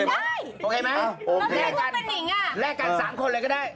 ได้ไม่ได้พูดเป็นนิ่งอ่ะและกัน๓คนเลยก็ได้